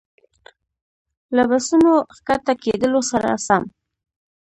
له بسونو ښکته کېدلو سره سم.